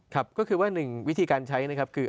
ครับก็คือว่าหนึ่งวิธีการใช้นะครับคือ